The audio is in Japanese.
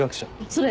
それ。